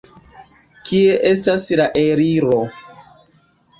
Kie estas la eliro?